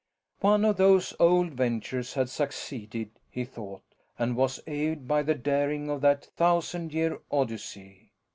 One of those old ventures had succeeded, he thought, and was awed by the daring of that thousand year odyssey.